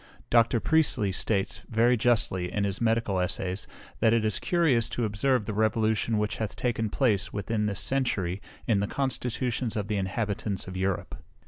Dr. Priestley states, very justly, in his Medical Essays, that it is curious to observe the revolution which hath taken place, within this century, in the constitutions of the inhabitants of Europe.